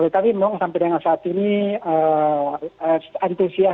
tapi memang sampai dengan saat ini antusiasnya sangat luar biasa ya